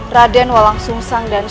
raden walang sungsang dan